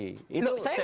saya nggak mengatakan itu